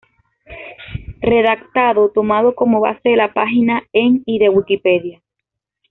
Redactado tomando como base la página en y de Wikipedia.